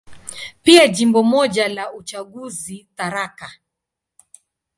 Pia Jimbo moja la uchaguzi, Tharaka.